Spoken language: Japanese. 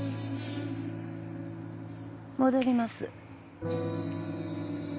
戻ります。